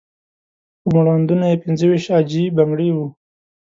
په مړوندونو یې پنځه ويشت عاجي بنګړي وو.